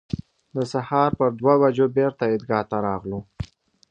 د سهار پر دوه بجو بېرته عیدګاه ته راغلو.